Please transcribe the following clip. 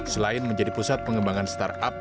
selain menjadi pusat pengembangan startup